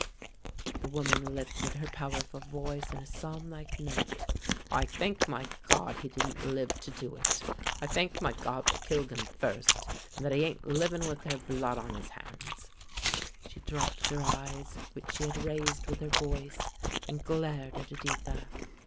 The woman lifted her powerful voice in a psalmlike note. "I thank my God he didn't live to do it! I thank my God they killed him first, and that he ain't livin' with their blood on his hands!" She dropped her eyes which she had raised with her voice, and glared at Editha.